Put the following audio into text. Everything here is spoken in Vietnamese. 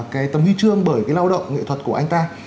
cái tấm huy chương bởi cái lao động nghệ thuật của anh ta